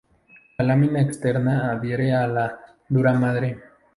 La lámina externa adhiere a la duramadre.